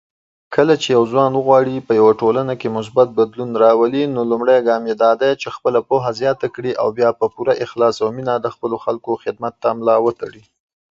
کله چې يو ځوان اوغاړي په يوه ټولنه کې مثبت بدلون راولي، نو لومړی ګام يې دا دی چې خپله پوهه زياته کړي او بيا په پوره اخلاص او مينه د خپلو خلکو خدمت ته ملا وتړي.